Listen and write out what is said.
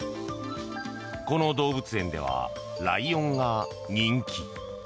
この動物園ではライオンが人気。